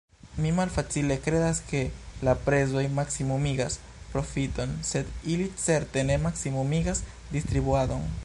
Mi malfacile kredas, ke la prezoj maksimumigas profiton, sed ili certe ne maksimumigas distribuadon.